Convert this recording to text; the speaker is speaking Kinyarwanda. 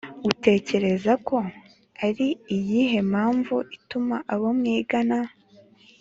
Utekereza ko ari iyihe mpamvu ituma abo mwigana